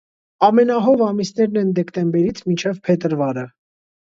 Ամենահով ամիսներն են դեկտեմբերից մինչև փետրվարը։